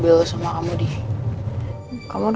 kayaknya banyak aja dimengerti om maxim aja